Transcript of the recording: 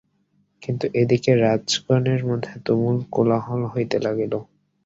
কিন্তু এদিকে রাজগণের মধ্যে তুমুল কোলাহল হইতে লাগিল।